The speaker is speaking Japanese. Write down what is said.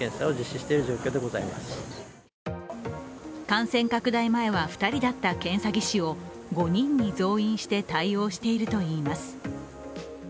感染拡大前は２人だった検査技師を５人に増員して対応しているといいます。